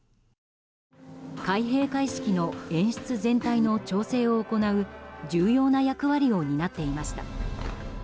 開閉会式の演出全体の調整を行う重要な役割を担っていました。